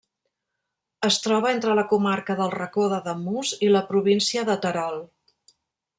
Es troba entre la comarca del Racó d'Ademús i la província de Terol.